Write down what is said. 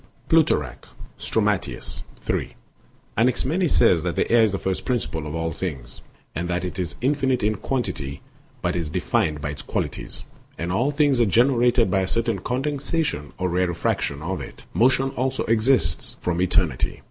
Plut. Strom. 3; Dox. 579. Anaximenes says that air is the first principle of all things, and that it is infinite in quantity but is defined by its qualities; and all things are generated by a certain condensation or rarefaction of it. Motion also exists from eternity.